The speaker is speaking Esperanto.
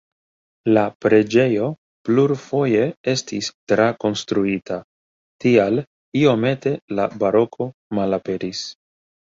La preĝejo plurfoje estis trakonstruita, tial iomete la baroko malaperis.